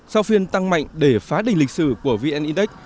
sau phiên tăng mạnh để phá đỉnh lịch sử của vn index